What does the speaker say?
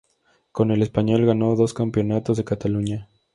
Con el Español ganó dos campeonatos de Cataluña.